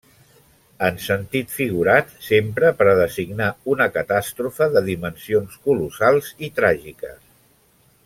En sentit figurat, s'empra per a designar una catàstrofe de dimensions colossals i tràgiques.